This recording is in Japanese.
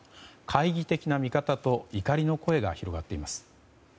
懐疑的な見方と怒りの声が広がっています。